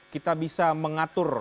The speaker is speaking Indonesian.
kita bisa mengatur